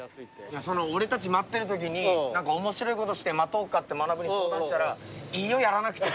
俺たち待ってるときに面白いことして待とうかってまなぶに相談したら「いいよやらなくて」